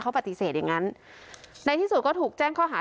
เขาปฏิเสธอย่างนั้นในที่สุดก็ถูกแจ้งข้อหา